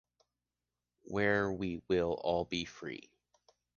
Where we will all be free.